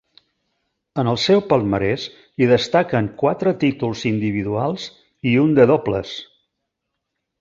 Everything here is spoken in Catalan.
En el seu palmarès hi destaquen quatre títols individuals i un de dobles.